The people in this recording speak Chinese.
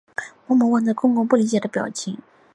默默望着公公不理解的表情